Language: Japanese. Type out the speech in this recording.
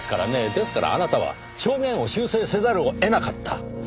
ですからあなたは証言を修正せざるを得なかった。